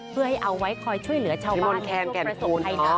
เพื่อให้เอาไว้คอยช่วยเหลือชาวบ้านในทุกประสงค์ไทยนะ